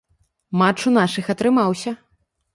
Матч у нашых атрымаўся.